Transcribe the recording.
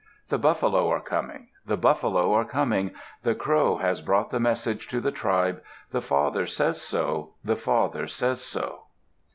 The buffalo are coming, the buffalo are coming, The Crow has brought the message to the tribe, The father says so, the father says so.